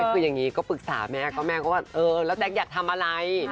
คืออย่างนี้ก็ปรึกษาแม่ก็แม่ก็ว่าเออแล้วแจ๊คอยากทำอะไร